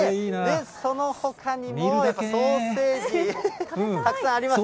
そのほかにもソーセージ、たくさんあります。